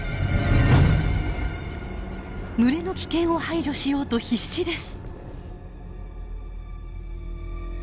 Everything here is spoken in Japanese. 群れの危険を排除しようと必死です。